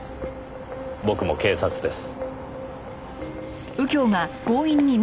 僕も警察です。